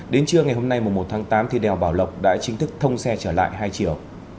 đến trưa ngày hôm nay một tháng tám thì đèo bảo lộc đã chính thức thông xe trở lại hai chiều